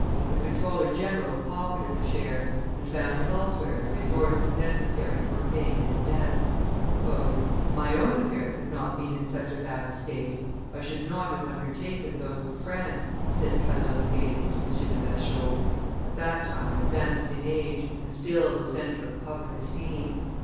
The comptroller general pocketed the shares, and found elsewhere the resources necessary for paying his debts. "If my own affairs had not been in such a bad state, I should not have undertaken those of France," said Calonne gayly to M. de Machault, at that time advanced in age and still the centre of public esteem.